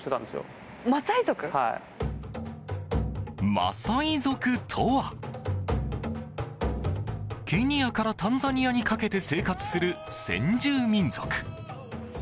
マサイ族とはケニアからタンザニアにかけて生活する先住民族。